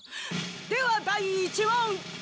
では第１問！